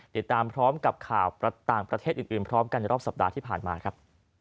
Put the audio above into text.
ติดตามพร้อมกับข่าวต่างประเทศอื่นพร้อมกันในรอบสัปดาห์ที่ผ่านมาครับ